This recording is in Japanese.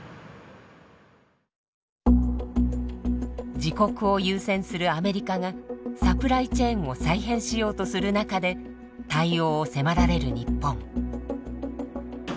自国を優先するアメリカがサプライチェーンを再編しようとする中で対応を迫られる日本。